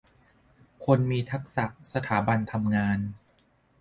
คนมีทักษะ สถาบันทำงาน